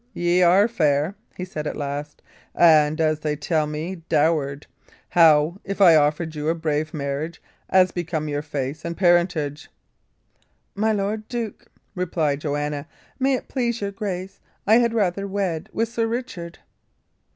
"Ye are fair," he said at last, "and, as they tell me, dowered. How if I offered you a brave marriage, as became your face and parentage?" "My lord duke," replied Joanna, "may it please your grace, I had rather wed with Sir Richard."